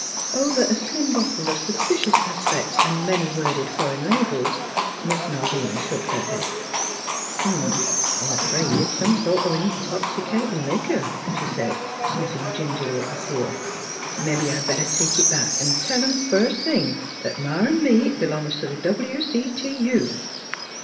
Over a slim bottle of suspicious aspect and many worded foreign labels Miss Malvina shook her head. " I'm afraid it's some sort o' intoxicatin' liquor," she said, sniffing gingerly at the seal. " Mebbe I'd better take it back an' tell 'em first thing 'at Ma an' me b'longs t' the W. C. T. U."